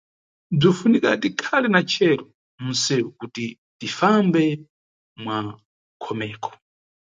Bzinʼfunika tikhale na cero munʼsewu kuti tifambe mwanʼkhomeko.